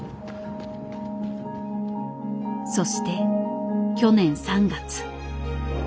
そして去年３月。